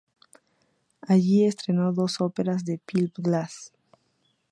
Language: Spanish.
Allí estrenó dos óperas de Philip Glass.